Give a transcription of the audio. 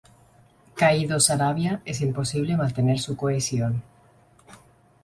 Caído Saravia, es imposible mantener su cohesión".